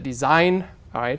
về cách nhanh